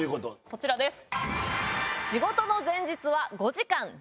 こちらです。